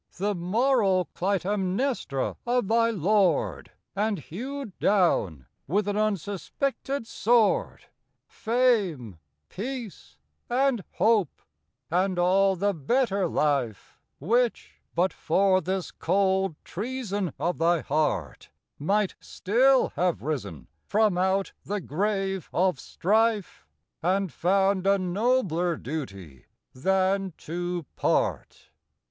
The moral Clytemnestra of thy lord, And hewed down, with an unsuspected sword, Fame, peace, and hope and all the better life Which, but for this cold treason of thy heart, Might still have risen from out the grave of strife, And found a nobler duty than to part.